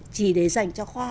chỉ để dành cho